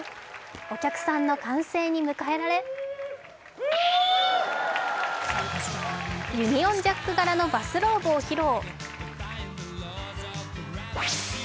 お客さんの歓声に迎えられユニオンジャック柄のバスローブを披露。